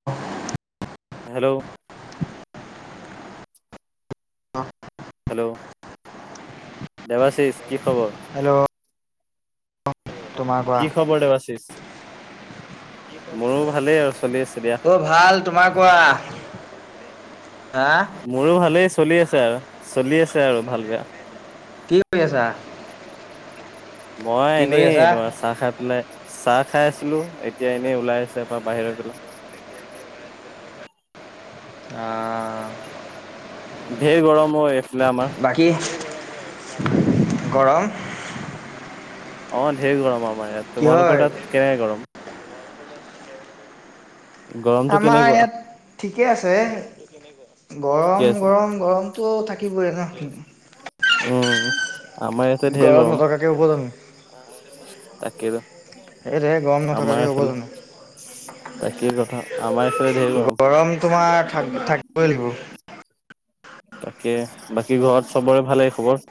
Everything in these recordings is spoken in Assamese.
[inaudible] হেল্ল [unintelligible] অ হেল্ল দেৱাশিষ কি খবৰ হেল্ল তোমাৰ কোৱা? কি খবৰ দেবাশিছ মোৰো ভালেই আৰু চলি আছে দিয়া। মোৰ ভাল তোমাৰ কোৱা হা মোৰো ভালেই চলি আছে আৰু চলি আছে আৰু ভাল বেয়া কি কৰি আছা? মই কি কৰি এনেই আছা? তোমাৰ চাহ খাই পেলাই চাহ খাই আছিলো এতিয়া এনেই ওলাই আহিছো এপাক বাহিৰৰ পিনে অ ঢেৰ গৰম অ এইফালে আমাৰ বাকী গৰম অ ঢেৰ গৰম আমাৰ ইয়াত কি হয়? তোমালোকৰ তাত কেনেকে গৰম গৰমটো আমাৰ কেনেকুৱা? ইয়াত ঠিকেই আছে ঠিকে গৰম আছে। গৰম গৰম অ থাকিবই ন উম আমাৰ ইয়াতে ঢেৰ গৰম নথকাকে হ'ব জানো? তাকেতো সেইটোহে গৰম নথকাকে হ'ব জানো তাকেই কথা আমাৰ এইফালে ধেৰ গৰম তোমাৰ থাক থাকিবই লাগিব [unintelligible] তাকে বাকী ঘৰত চবৰে ভালেই খবৰ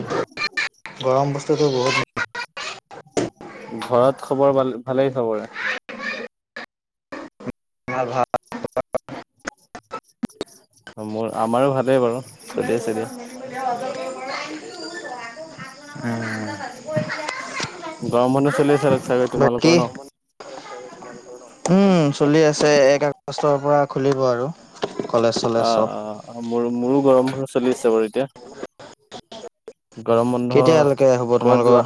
অ গৰম বস্তুটো বহুত ঘৰত খবৰ ভাল ভালেই চবৰে ভাল ভাল মোৰ আমাৰো ভালেই বাৰু চলি আছে দিয়া [unintelligible] অ গৰম বন্ধ চলি আছে চাগে তোমালোকৰ ন উম চলি আছে এক আগষ্টৰ পৰা খুলিব আৰু কলেজ অ চলেজ চব অ মোৰো মোৰো গৰম বন্ধ চলি আছে বাৰু এতিয়া গৰম বন্ধ কেতিয়ালৈকে হ'ব কবাত তোমালোকৰ? যোৱা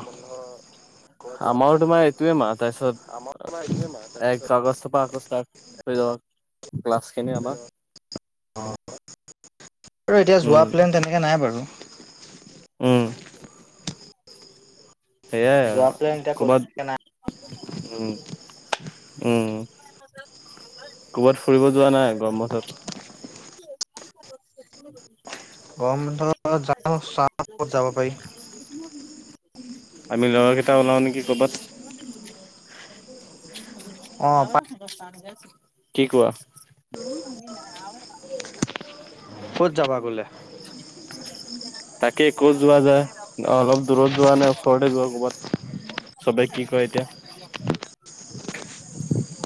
আমাৰ তোমাৰ এইটোয়ে মাহ তাৰপিছত এক কাগজ থোপা আকৌ ষ্টাৰ্ট হৈ যাব ক্লাছ খিনি আমাৰ অ আৰু এতিয়া উম যোৱা প্লেন তেনেকে নাই বাৰু উম সেয়াই যোৱা প্লেন আৰু এতিয়া ক'ত ক'ৰবাত নাই। উম উম ক'ৰবাত ফুৰিব যোৱা নাই গৰম বন্ধ পিছত গৰম বন্ধত যাও চাও কত যাব পাৰি আমি লৰা কেইটা ওলাও নেকি কৰবাত। অ পাৰি। [unintelligible] কি কোৱা। ক'ত যাবা গলে। [inaudible] তাকে একো যোৱা যায় অলপ দূৰত যোৱা নে ওচৰতে যোৱা ক'ৰবাত। চবে কি কয় এতিয়া।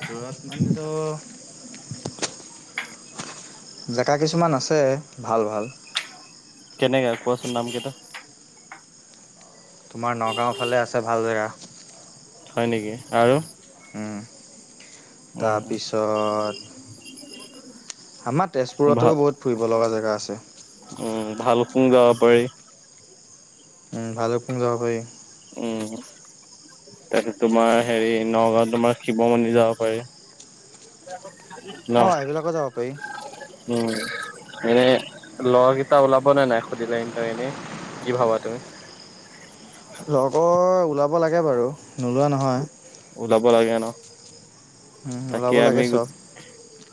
দূৰত মানে টো। জেগা কিছুমান আছে ভাল ভাল। কেনেকে কোৱাচোন নাম কেইটা। তোমাৰ নগাঁও ফালে আছে ভাল জেগা। হয় নেকি আৰু। উম উম তাৰপিছত। [unintelligible] আমাৰ তেজপুৰতো ভাল বহুত ফুৰিব লগা জেগা আছে। উম ভাল কুং যাব পাৰি। উম ভালকুং যাব পাৰি। উম তাৰপিছত তোমাৰ হেৰি নগাঁওত তোমাৰ শিৱ মন্দিৰ যাব পাৰি। ন। অ এইবিলাকো যাব পাৰি উম এনেই লৰাকেইটা ওলাবনে নাই সুধিলে সিহতক এনেই। কি ভাবা তুমি। লগৰ ওলাব লাগে বাৰু নোলোৱা নহয়। ওলাব লাগে ন উম, তাকে ওলাব লাগে আমি। চব।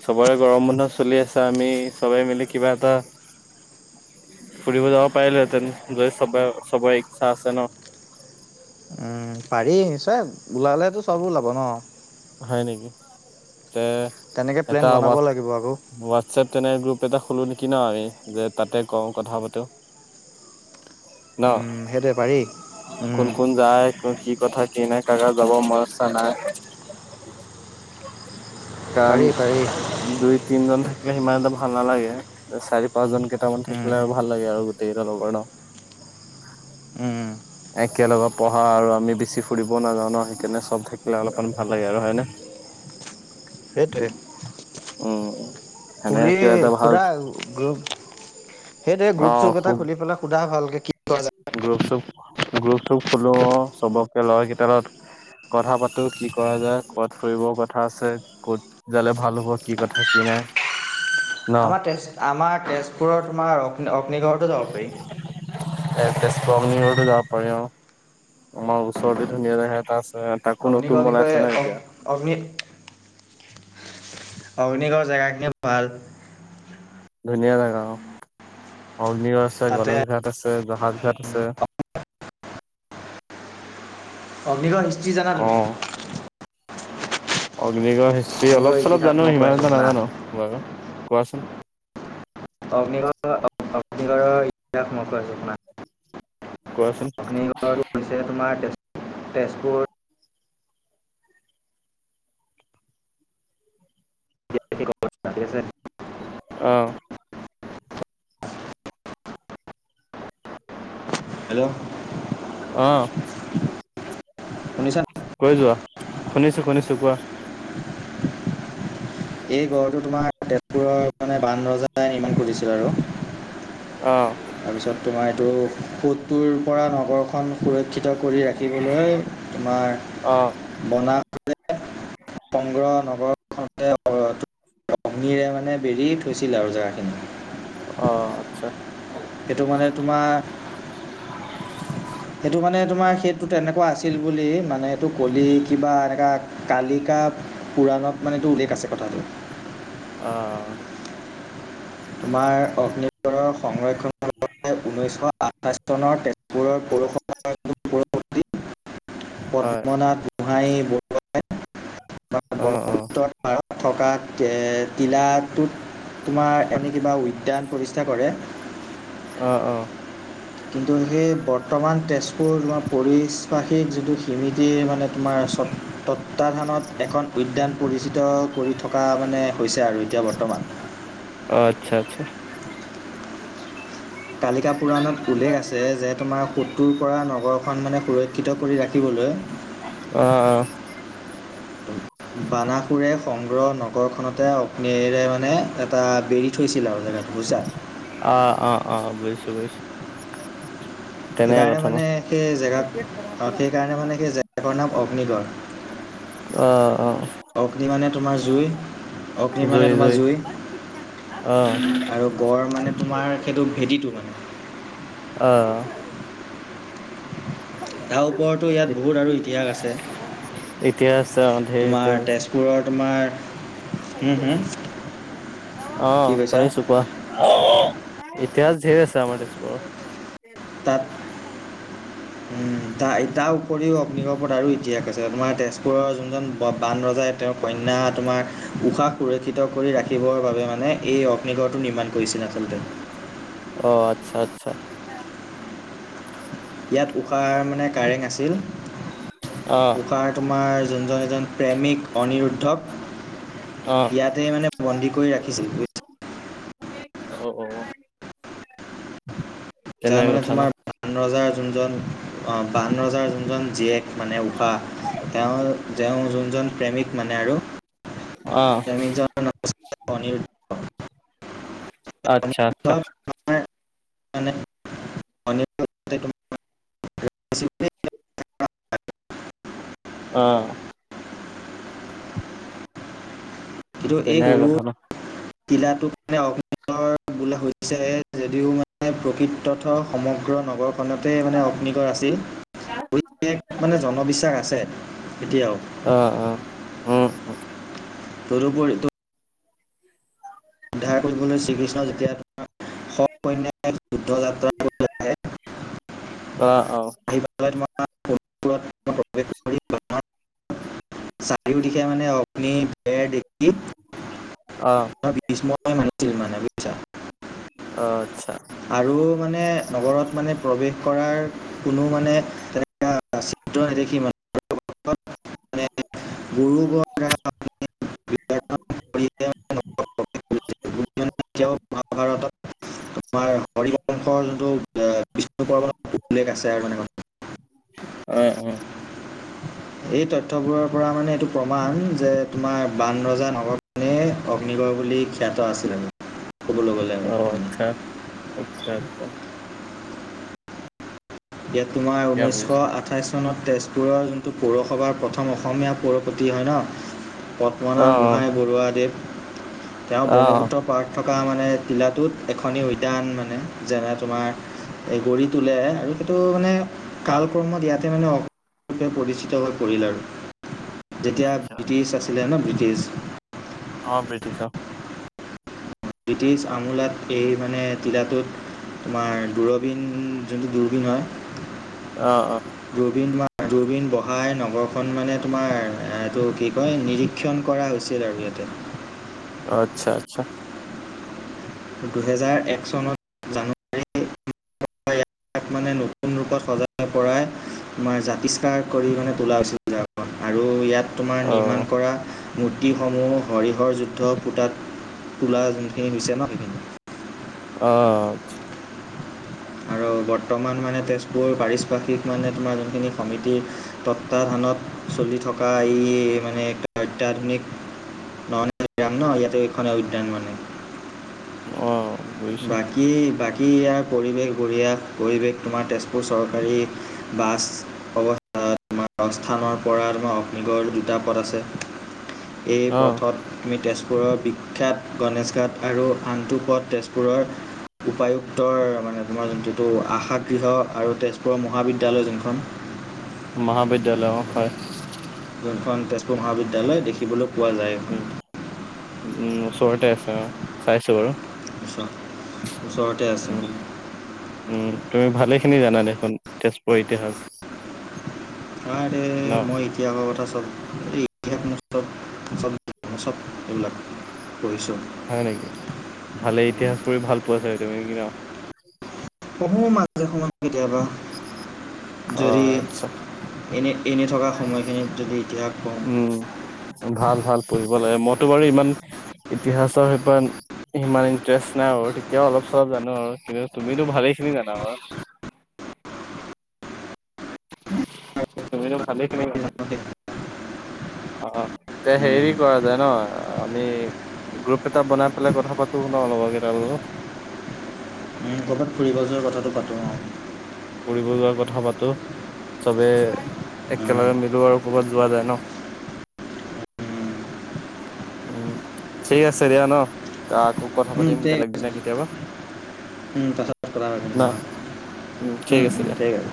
চবৰে গৰম বন্ধ চলি আছা আমি চবে মিলি কিবা এটা। ফুৰিব যাব পাৰিলেহেতেন যদি চব চবৰ ইচ্ছা আছে ন। উম পাৰিছে ওলালেতো চব ওলাব ন। হয় নেকি তে তেনেকে প্লেন এটা বনাব ৱাত লাগিব আকৌ। ৱাট। হোৱাটচএপ তেনে গ্ৰুপ এটা খোলো নেকি ন আমি যে তাতে কওঁ কথা পাতোঁ। ন উম, সেইটোৱে পাৰি কোন উম, কোন। যায় কি কথা কি নাই কাৰ কাৰ যাব মন ইচ্ছা নাই। কাৰণ। পাৰি পাৰি দুই তিনজন থাকিলে সিমান এটা ভাল নালাগে। চাৰি পাঁচজন কেইটামান উম, থাকিলে আৰু ভাল লাগে আৰু গোটেইকেইটা লগৰ ন। উম। একেলগে পঢ়া আৰু আমি বেছি ফুৰিব নাযাওঁ ন সেইকাৰণে চব থাকিলে অলপমান ভাল লাগে আৰু হয় নে। সেইটোৱে। উম সেনেকে সুুৰী কিবা এটা ভাল সুৰা গ্ৰ। সেইটোৱে অ গ্ৰুপ চুপ এটা খুব খুলি পেলাই সোধা ভালকে কি। কৰা যায় গ্ৰুপ চুপ গ্ৰুপ চুপ খোলো চবককে লৰা কেইটা লগত। কথা পাতো কি কৰা যায় ক'ত ফুৰিবৰ কথা আছে কত। জালে ভাল হোৱা কি কথা কি নাই। ন আমাৰ তেজ আমাৰ তেজপুৰত তোমাৰ অগ্নি অগ্নিগড়তো যাব পাৰিম। এ তেজপুৰ অগ্নিগড়টো যাব পাৰি অ আমাৰ ওচৰতে ধুনীয়া জেগা এটা আছে। অ তাকো অগ্নিগড়ৰ নতুন বনাই বিষয়ে আছে নাই এতিয়া। অগ- অগ্নি। অগ্নিগড় জেগাখিনি ভাল। ধুনীয়া জেগা অ'। অগ্নিগড় আছে, তাতে গণেশ ঘাট আছে জাহাজ ঘাট আছে। অগ্নিগড়ৰ হিষ্ট্ৰী জানা অ তুমি? অগ্নিগড়ৰ হিষ্ট্ৰী অলপ অগ্নিগড় চলপ ইতিহাস জানোঁ মই কৈ সিমান আছো এটা শুনা নাজানো বাৰু কোৱাচোন। অগ্নিদ [unintelligible] অগ্নিগড়ৰ ইতিহাস মই কৈ আছো শুনা। কোৱাচোন। আৰু হৈছে তোমাৰ তেজ-তেজপুৰ [unintelligible] অ'। হেল্ল'। অ'। শুনিছানে? কৈ যোৱা, শুনিছোঁ শুনিছোঁ কোৱা। এই গড়টো তোমাৰ তেজপুৰৰ মানে বান ৰজাই নিৰ্মাণ কৰিছিল আৰু। অ'। তাৰপিছত তোমাৰ এইটো সূতটোৰ পৰা নগৰখন সুৰক্ষিত কৰি ৰাখিবলৈ তোমাৰ অ'। বনা [unintelligible] সংগ্ৰহ নগৰ [unintelligible] অগ্নিৰে মানে বেৰি থৈছিল আৰু জেগাখিনি। অ', আচ্ছা। সেইটো মানে তোমাৰ [inaudible] সেইটো মানে তোমাৰ সেইটো তেনেকুৱা আছিল বুলি মানে এইটো ক'লি কিবা এনেকা কালিকা পুৰাণত মানে এইটো উল্লেখ আছে কথাটো। অ', অ'। তোমাৰ অগ্নিগড়ৰ সংৰক্ষণৰ কথা ঊনৈছশ আঠ ঠাইছ চনৰ তেজপুৰৰ পৌৰসভাৰ [unintelligible] পৌৰপতি হয় পদ্মনাথ গো গোহাঁই বৰুৱাই [unintelligible] অ অ ব্ৰহ্মপুত্ৰত পাৰত থকা তে-তিলাটোত তোমাৰ এনে কিবা উদ্যান প্ৰতিষ্ঠা কৰে। অ', অ'। কিন্তু সেই বৰ্তমান তেজপুৰ তোমাৰ পৰিশ্ৰাষিক যিটো সিমিতি মানে তোমাৰ চব তত্বাধানত এখন উদ্যান পৰিচিত কৰি থকা মানে হৈছে আৰু এতিয়া বৰ্তমান। অ', আচ্ছা আচ্ছা। [inaudible] কালিকা পুৰাণত উল্লেখ আছে যে তোমাৰ সোত্ৰুৰ পৰা নগৰখন মানে সুৰক্ষিত কৰি ৰাখিবলৈ অ', অ'। বানাসুৰে সংগ্ৰহ নগৰখনতে অগ্নিৰে মানে এটা বেৰি থৈছিল আৰু জেগাটো বুজিছা অ', অ', অ', বুজিছোঁ বুজিছোঁ। তেনে সেইকাৰণে কথা ন মানে সেই জেগা সেইকাৰণে মানে সেই জেগাকণৰ নাম অগ্নিগড় [unintelligible] অ', অ'। অগ্নি মানে তোমাৰ জুই, অগ্নি মানে তোমাৰ জুই। অ আৰু গঁড় মানে তোমাৰ সেইটো ভেটিটো মানে। অ'। তাৰ ওপৰতো ইয়াত বহুত আৰু ইতিহাস আছে এতিয়া আছে অ ধেৰ এতিয়া তোমাৰ আছে তেজ। পুৰৰ তোমাৰ। অ কি কৈছা শুনিছো কোৱা। ইতিহাস ধেৰ আছে আমাৰ তেজপুৰ। তাত। [unintelligible] উম তা তাৰ উপৰিও অগ্নি ওপৰত আৰু ইতিহাস আছে তোমাৰ তেজপুৰৰ যোনজন বান ৰজাই। তেওঁৰ কন্যা তোমাৰ উশাহ সুৰক্ষিত কৰি ৰাখিবৰ বাবে মানে এই অ। নিগড়টো নিৰ্মাণ কৰিছিল আচলতে। অ আচ্ছা আচ্ছা। ইয়াত উশাৰ মানে কাৰেং আছিল অ উকাৰ। তোমাৰ যোনজন এইজন প্ৰেমিক। অ অ অনিৰুদ্ধক ইয়াতে মানে বন্দী কৰি ৰাখিছিল। [inaudible] যাৰ কেনে মানে কথা ন। তোমাৰ বান ৰজাৰ যোনজন অ বান ৰজাৰ যোনজন। জীয়েক মানে ঊষা তেওঁৰ যোনজন প্ৰেমিক মানে আৰু। অ। প্ৰেমিক জন [inaudible] অনিৰো। আচ্ছা আচ্ছা। অনিৰুদ্ধ তোমাৰ [unintelligible] [inaudible] অঁ। কিন্তু এই তেনে হুৰু। [inaudible] কিলাটোক মানে অগ্নিগড় বোলা হৈছে যদিও মানে প্ৰকৃতথ সমগ্ৰ নগক। খনতে মানে অগ্নিগড় আছিল বুলি এই মানে জনবিশ্বাস আছে এতিয়াও। অ অ উম উম। তদুপৰি টো। উদ্ধাৰ কৰিবলৈ শ্ৰীকৃষ্ণ যেতিয়া। সসৈন্যে যুদ্ধ যাত্ৰা কৰিবলৈ অ অ। [unintelligible] চাৰিও দিশে মানে অগ্নি বেৰ দেখি। অ। [unintelligible] বুজিচা। অ আচ্ছা। আৰু মানে নগৰত মানে প্ৰৱেশ কৰাৰ কোনো মানে তেনেকা। [inaudible] দেখি [inaudible] [inaudible] [inaudible] গুৰু গৰ। [unintelligible] [inaudible] এতিয়াও মহাভাৰতত। [inaudible] আমাৰ হৰিবংশৰ টো বিষ্ণু পুৰাণত উল্লেখ আছে আৰু [inaudible] অয় অ। এই তথ্যবোৰৰ পৰা মানে এইটো প্ৰমাণ যে তোমাৰ বান ৰজা নগৰ নে। [inaudible] অগ্নিগড় বুলি খ্যাত আছিল আৰু। ক'বলৈ গ'লে আৰু অ আচ্ছা আচ্ছা আচ্ছা। ইয়াত তোমাৰ এতিয়া ঊনৈছশ বুজিছা। আঠাইছ চনত তেজ পুৰৰ যোনটো পৌৰসভাৰ প্ৰথম অসমীয়া পৌৰপতি হয় ন' পদ্মনাথ অ', গোহাঁই বৰুৱাদেৱ। তেওঁ অ', অ'। ব্ৰহ্মপুত্ৰৰ পাৰত থকা মানে টিলাটোত এখনি উদ্যান মানে যেনে তোমাৰ এই গঢ়ি তোলে আৰু সেইটো মানে অ', কাল ক্ৰমত ইয়াতে মানে অগ্নি ৰুপে পৰিচিত হৈ পৰিল আৰু। যেতিয়া আচ্ছা আচ্ছা ব্ৰিটিছ আছিলে ন' ব্ৰিটিছ অ' ব্ৰিটিছ অ'। ব্ৰিটিছ আমোলাত এই মানে তিলাটোত তোমাৰ দূৰবিন যোনটো দূৰবীন হয় অ', অ'। দূৰবিন তোমাৰ দুৰবিন বহাই নগৰখন মানে তোমাৰ এইটো কি কয় নিৰিক্ষ ক্ষন কৰা হৈছিল আৰু ইয়াতে। আচ্ছা, আচ্ছা। দুহেজাৰ এক চনত তাক মানে নতুন ৰূপত সজাই পৰাই তোমাৰ জাতিষ্কাৰ কৰি মানে তোলা হৈছিল [unintelligible] আৰু ইয়াত তোমাৰ অ', নিৰ্মাণ কৰা মূৰ্তিসমূহ হৰিহৰ যুদ্ধ পুতাত তোলা যোনখিনি হৈছে ন' সেইখিনি। অ'। আৰু বৰ্তমান মানে তেজপুৰ পাৰিশপাৰ্শ্বিক মানে তোমাৰ যোনখিনি সমিতি তত্বাৱাধানত চলি থকা এই মানে অত্যাধুনিক [unintelligible] ইয়াতে এইখনে উদ্যান মানে। অ' বুজিছোঁ। কি বাকী ইয়াৰ পৰিৱেশ বঢ়িয়া, পৰিৱেশ তোমাৰ তেজপুৰ চৰকাৰী বাছ [unintelligible] তোমাৰ অস্থানৰ পৰা তোমাৰ অগ্নিগড় দুটা পথ আছে। এই অ', পথত তুমি তেজপুৰৰ বিখ্যাত গণেশ ঘাট আৰু আনটো পথ তেজপুৰৰ উপায়ুক্তৰ মানে তোমাৰ যোনটোটো আশাগৃহ আৰু তেজপুৰৰ মহাবিদ্যালয় যোনখন মহাবিদ্যালয় অ' হয়। যোনখন তেজপুৰ মহাবিদ্যালয় দেখিবলৈ পোৱা যায়। এইখন উম। উম, ওচৰতে আছে অ' চাইছোঁ বাৰু। ওচ ওচৰতে আছে। উম, উম, তুমি ভালেখিনি জানা দেখোন, তেজপুৰৰ ইতিহাস। আৰে ন মই ইতিহাসৰ কথা চব, এই ইতিহাস মোৰ চব [unintelligible] চব এইবিলাক পঢ়িছোঁ। হয় নেকি, ভালে ইতিহাস পঢ়ি ভাল পোৱা চাগে তুমি নেকি ন'? পঢ়ো মাজে সময়ে কেতিয়াবা যদি অ', আচ্ছা। এনেই এনে থকা সময়খিনিত যদি ইতিহাস কম উম, ভাল ভাল পঢ়িব লাগে, মইতো বাৰু ইমান ইতিহাচৰ সিমান ইমান ইণ্টাৰেষ্ট নাই বাৰু, তেতিয়াও অলপ চলপ জানো আৰু কিন্তু তুমি ভালেইখিনি জানা বাৰু। তুমিতো ভালেইখিনি জানা। [inaudible] অ' তে, হেৰি কৰা যায় ন' আমি গ্ৰুপ এটা বনাই পেলাই কথা পাতো ন' লগৰ কেইটাৰ লগত। উম, ক'ৰবাত ফুৰিব যোৱাৰ কথাটো পাতোঁ অ'। ফুৰিব যোৱাৰ কথা পাতো, চবে একেলগে মিলো আৰু কৰ'বাত যোৱা যায় ন। উম, ঠিক আছে দিয়া ন কাকো উম ঠিক আছে। উম পাছত কথা পাতিম ন উম উম ঠিক আছে।